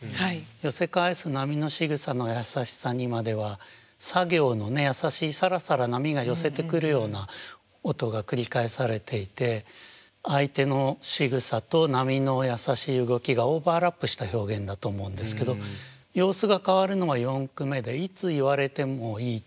「寄せ返す波のしぐさの優しさに」まではさ行のね優しいさらさら波が寄せてくるような音が繰り返されていて相手のしぐさと波の優しい動きがオーバーラップした表現だと思うんですけど様子が変わるのは４句目で「いつ言われてもいい」。